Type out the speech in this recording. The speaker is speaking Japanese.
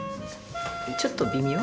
ちょっと微妙？